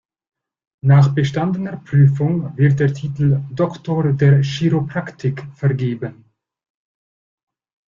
Nach bestandener Prüfung wird der Titel „Doktor der Chiropraktik“ vergeben.